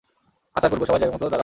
আচার করব, সবাই জায়গামতো দাঁড়াও।